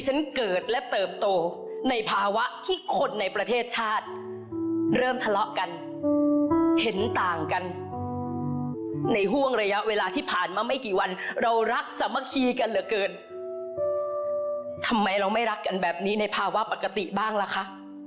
ฉันเกิดและเติบโตในภาวะที่คนในประเทศชาติเริ่มทะเลาะกันเห็นต่างกันในห่วงระยะเวลาที่ผ่านมาไม่กี่วันเรารักสามัคคีกันเหลือเกินทำไมเราไม่รักกันแบบนี้ในภาวะปกติบ้างล่ะคะ